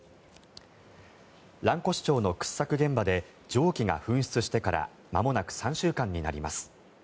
蘭越町の掘削現場で蒸気が噴出してからまもなく３週間になります。